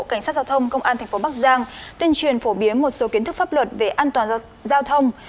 cảnh sát giao thông công an thành phố bắc giang tuyên truyền phổ biến một số kiến thức pháp luật về an toàn giao thông